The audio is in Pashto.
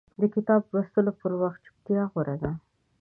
د کتاب لوستلو پر وخت چپتیا غوره ده.